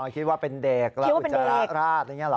คิดว่าเป็นเด็กแล้วอุจจาระราชอะไรอย่างนี้เหรอ